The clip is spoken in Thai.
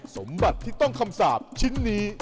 สมบัติที่ต้องคำสาปชิ้นนี้